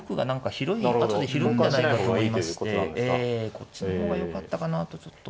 こっちの方がよかったかなとちょっと。